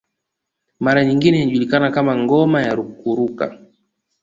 Mara nyingine inajulikana kama ngoma ya kuruka